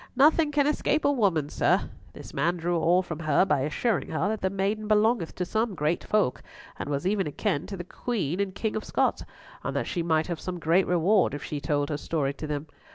"Nothing can escape a woman, sir. This man drew all from her by assuring her that the maiden belonged to some great folk, and was even akin to the King and Queen of Scots, and that she might have some great reward if she told her story to them.